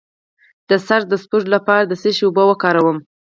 د سر د سپږو لپاره د څه شي اوبه وکاروم؟